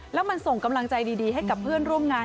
แล้วมันส่งกำลังใจดีให้กับเพื่อนร่วมงาน